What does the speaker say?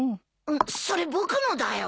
それ僕のだよ。